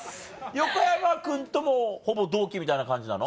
横山君ともほぼ同期みたいな感じなの？